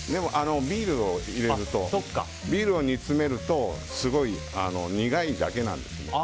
ビールを入れて煮詰めるとすごい苦いだけなんですよね。